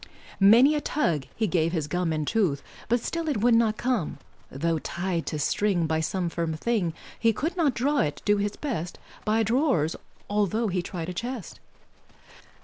Many a tug he gave his gum And tooth, but still it would not come, Tho' tied to string by some firm thing, He could not draw it, do his best, By draw'rs, altho' he tried a chest.